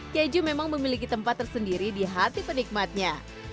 keju memang memiliki tempat tersendiri di hati penikmatnya